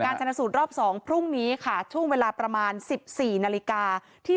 ชนสูตรรอบ๒พรุ่งนี้ค่ะช่วงเวลาประมาณ๑๔นาฬิกาที่